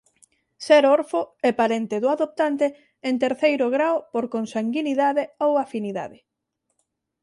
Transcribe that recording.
Ser orfo e parente do adoptante en terceiro grao por consanguinidade ou afinidade.